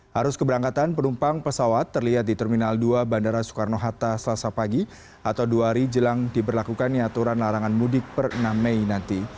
harus keberangkatan penumpang pesawat terlihat di terminal dua bandara soekarno hatta selasa pagi atau dua hari jelang diberlakukannya aturan larangan mudik per enam mei nanti